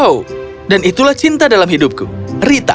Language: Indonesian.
oh dan itulah cinta dalam hidupku rita